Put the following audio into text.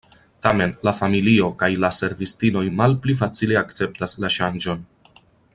Tamen, la familio kaj la servistinoj malpli facile akceptas la ŝanĝon.